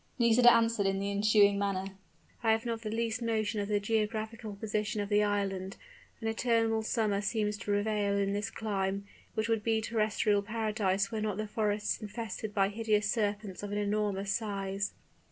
Nisida answered in the ensuing manner: "I have not the least notion of the geographical position of the island. An eternal summer appears to prevail in this clime, which would be a terrestrial paradise were not the forests infested by hideous serpents of an enormous size."